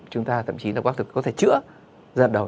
chúng ta thậm chí có thể chữa ra đầu